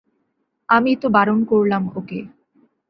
আমিই তো বারণ করলাম ওকে।